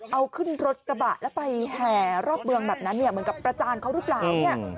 เอาขึ้นรถกระบะแล้วไปแห่รอบเมืองแบบนั้นเนี่ยเหมือนกับประจานเขาหรือเปล่าเนี่ย